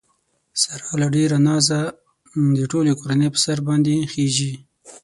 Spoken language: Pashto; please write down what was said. ساره له ډېره نازه د ټولې کورنۍ په سر باندې خېژي.